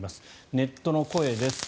ネットの声です。